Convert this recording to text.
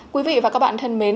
quý vị và các bạn thân mến